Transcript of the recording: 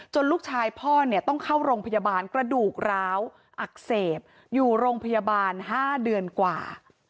ลูกชายพ่อเนี่ยต้องเข้าโรงพยาบาลกระดูกร้าวอักเสบอยู่โรงพยาบาล๕เดือนกว่า